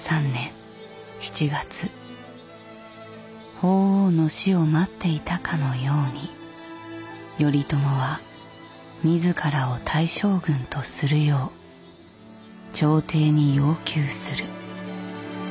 法皇の死を待っていたかのように頼朝は自らを大将軍とするよう朝廷に要求する。